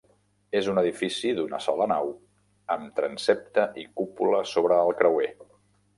És un edifici d'una sola nau amb transsepte i cúpula sobre el creuer.